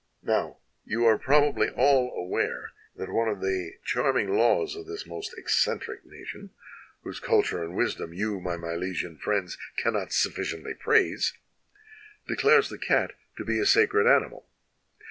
"Now, you are probably all aware that one of the 197 EGYPT charming laws of this most eccentric nation (whose cul ture and wisdom, you, my Milesian friends, cannot suffi ciently praise) declares the cat to be a sacred animal.